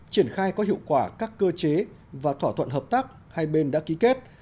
triển khai có hiệu quả các cơ chế và thỏa thuận hợp tác hai bên đã ký kết